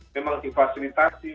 memang lagi fasilitasi